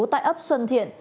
tại ấp xuân thiện